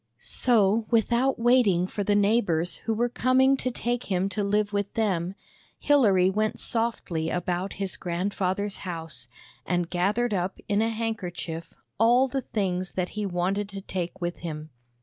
So, without waiting for the neighbors who were coming to take him to live with them, Hilary went softly about his grandfather's house, and gathered up in a handkerchief all the things that he wanted to take 109 THE BAG OF SMILES with him.